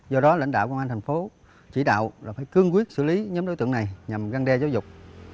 do đó lãnh đạo công an thành phố chỉ đạo là phải cương quyết xử lý nhóm đối tượng này nhằm găng đe giáo dục